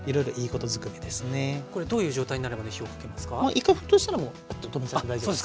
１回沸騰したらもうパッと止めちゃって大丈夫です。